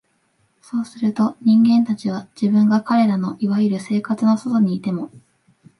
そうすると、人間たちは、自分が彼等の所謂「生活」の外にいても、